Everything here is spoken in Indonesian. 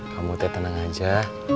kamu tenang aja